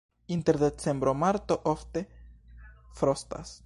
Inter decembro-marto ofte frostas.